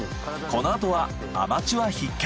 このあとはアマチュア必見。